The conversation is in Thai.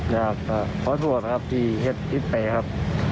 สิบว่าเห็นดีครับ